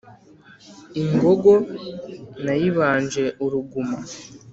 Ingogo nayibanje uruguma